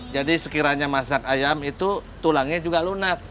jadi sekiranya masak ayam itu tulangnya juga lunak